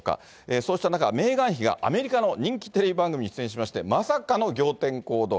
そうした中、メーガン妃がアメリカの人気テレビ番組に出演しまして、まさかの仰天行動。